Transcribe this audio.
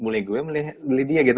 mulai gue beli dia gitu